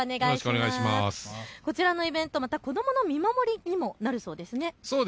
こちらのイベント、子どもの見守りというのにもなるそうですね。